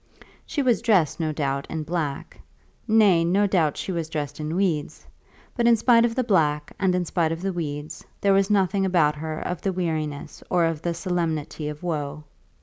She was dressed, no doubt, in black; nay, no doubt, she was dressed in weeds; but in spite of the black and in spite of the weeds there was nothing about her of the weariness or of the solemnity of woe.